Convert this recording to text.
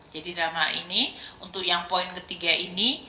jadi dalam hal ini untuk yang poin ketiga ini